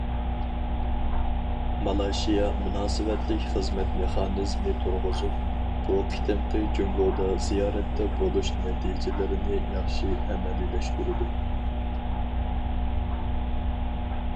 مالايشىيا مۇناسىۋەتلىك خىزمەت مېخانىزمى تۇرغۇزۇپ، بۇ قېتىمقى جۇڭگودا زىيارەتتە بولۇش نەتىجىلىرىنى ياخشى ئەمەلىيلەشتۈرىدۇ.